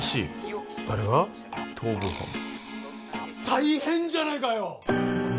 大変じゃないかよ！